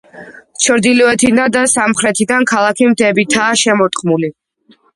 ჩრდილოეთიდან და სამხრეთიდან ქალაქი მთებითაა შემორტყმული.